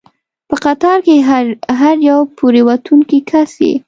په قطار کې هر یو پورې ووتونکی کس یې.